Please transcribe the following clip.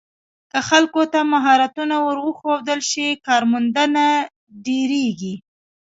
که خلکو ته مهارتونه ور وښودل شي، کارموندنه ډېریږي.